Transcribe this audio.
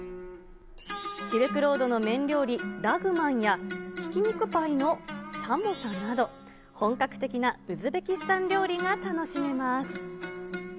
シルクロードの麺料理、ラグマンや、ひき肉パイのサモサなど、本格的なウズベキスタン料理が楽しめます。